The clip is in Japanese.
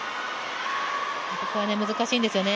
ここは難しいんですよね